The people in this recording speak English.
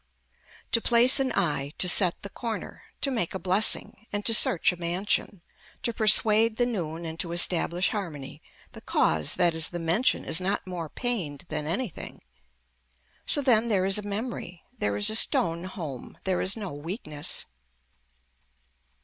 To place an eye, to set the corner, to make a blessing, and to search a mansion, to persuade the noon and to establish harmony, the cause that is the mention is not more pained than anything. So then there is a memory, there is a stone home, there is no weakness.